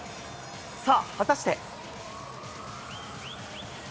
さあ、果たして。